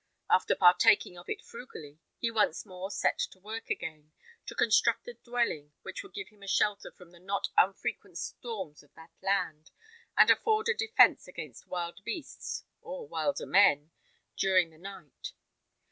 After partaking of it frugally, he once more set to work again, to construct a dwelling which would give him a shelter from the not unfrequent storms of that land, and afford a defence against wild beasts, or wilder men, during the night.